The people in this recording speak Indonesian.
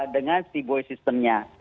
dengan si boy systemnya